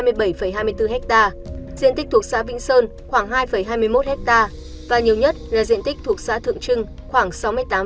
diện tích thuộc xã vĩnh sơn khoảng hai hai mươi một ha và nhiều nhất là diện tích thuộc xã thượng trưng khoảng sáu mươi tám tám mươi bốn ha